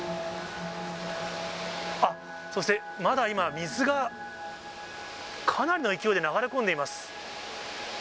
あっ、そしてまだ今、水が、かなりの勢いで流れ込んでいます。